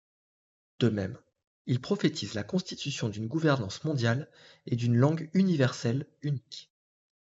De même, il prophétise la constitution d'une gouvernance mondiale et d'une langue universelle unique.